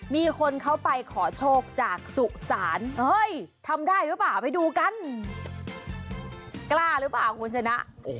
มีคนเขาไปขอโชคจากสุสานเฮ้ยทำได้หรือเปล่าไปดูกันกล้าหรือเปล่าคุณชนะ